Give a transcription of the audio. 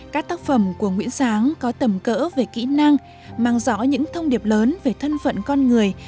các tác phẩm của nguyễn sáng có tầm cỡ về kỹ năng mang rõ những thông điệp lớn về thân phận con người